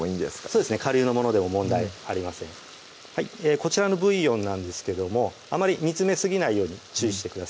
そうですねかりゅうのものでも問題ありませんこちらのブイヨンなんですけどもあまり煮詰めすぎないように注意してください